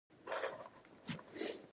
پیلوټ د سفر مقصد درک کوي.